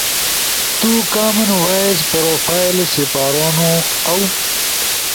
تو کامن وائس پروفائل سپارونو اؤ